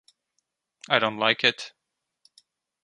I don't like it.